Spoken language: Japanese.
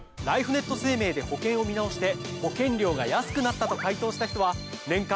ライフネット生命で保険を見直して保険料が安くなったと回答した人は。